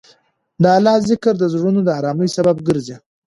د الله ذکر د زړونو د ارامۍ سبب ګرځي.